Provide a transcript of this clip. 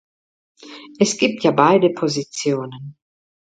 Es gibt ja beide Positionen.